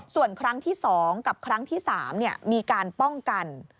ส่วนครั้งที่๒กับครั้งที่๓มีการป้องกัน